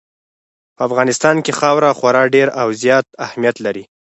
په افغانستان کې خاوره خورا ډېر او زیات اهمیت لري.